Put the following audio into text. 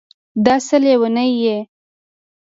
دا څه لېونی یې